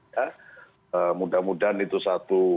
ya mudah mudahan itu satu